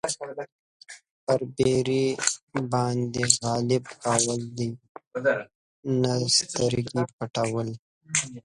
پر بېرې باندې غلبه کول دي نه سترګې پټول.